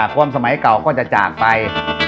คนสมัยเก่าก็จะจากไป